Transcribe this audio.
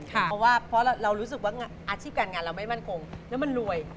เพราะว่าเพราะเรารู้สึกว่าอาชีพการงานเราไม่มั่นคงแล้วมันรวย